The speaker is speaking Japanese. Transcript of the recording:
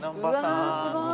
うわあすごい！